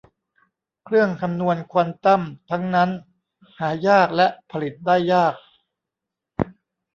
เครื่องคำนวณควอนตัมทั้งนั้นหายากและผลิตได้ยาก